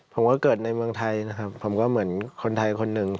ผมก็เกิดในเมืองไทยนะครับผมก็เหมือนคนไทยคนหนึ่ง